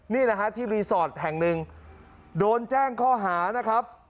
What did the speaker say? นี่แหละฮะที่รีสอร์ทแห่งหนึ่งโดนแจ้งข้อหานะครับ